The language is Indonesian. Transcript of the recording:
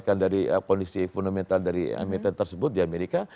bahkan dari kondisi fundamental dari emiten tersebut di amerika